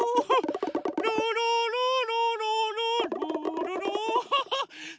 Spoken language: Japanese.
ハハ！